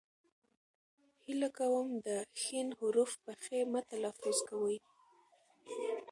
هیله کوم د ښ حرف په خ مه تلفظ کوئ.!